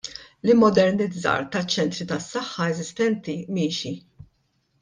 L-immodernizzar taċ-ċentri tas-saħħa eżistenti miexi.